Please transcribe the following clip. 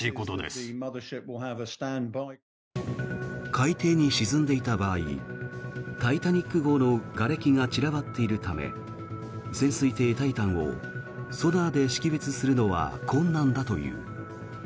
海底に沈んでいた場合「タイタニック号」のがれきが散らばっているため潜水艇「タイタン」をソナーで識別するのは困難だという。